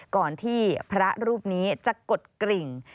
ก่อนที่พระรูปนี้จะกดกริ่ง